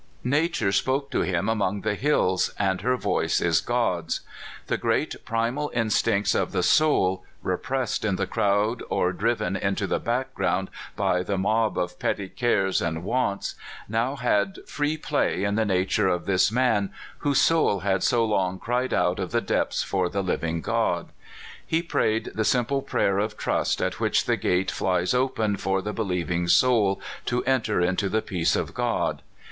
Nature spoke to him among the hills, and her voice is God's. The great primal instincts of the soul, repressed in the crowd or driven into 258 CALIFORNIA SKETCHES. the background by the mob of petty cares and wants, now had free play in the nature of this man whose soul had so long cried out of the depths for the living God. He prayed the simple prayer of trust at which the gate flies open for the believing soul to enter into the peace of God.